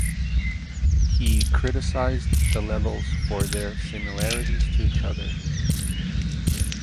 He criticized the levels for their similarities to each other.